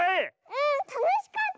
うんたのしかった！